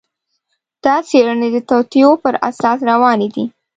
دا څېړنې د توطیو پر اساس روانې دي.